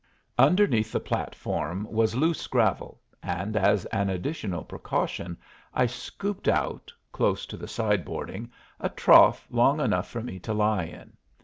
Underneath the platform was loose gravel, and, as an additional precaution, I scooped out, close to the side boarding, a trough long enough for me to lie in.